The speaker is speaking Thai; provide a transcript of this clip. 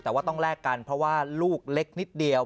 แต่ว่าต้องแลกกันเพราะว่าลูกเล็กนิดเดียว